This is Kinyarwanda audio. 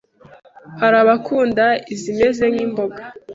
hari abakunda izimeze nk’imboga